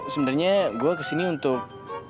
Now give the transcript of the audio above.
sebenernya gua kesini untuk